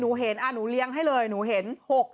หนูเห็นหนูเลี้ยงให้เลยหนูเห็น